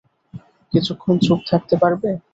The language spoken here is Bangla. কিছুক্ষণ চুপ থাকতে পারবে?